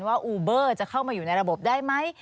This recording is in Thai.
อูเบอร์จะเข้ามาอยู่ในระบบได้ไหม